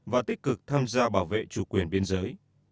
và tích cực tham gia bảo vệ chủ quyền biên giới